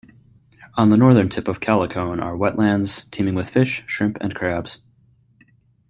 On the northern tip of Calicoan are wetlands, teeming with fish, shrimp, and crabs.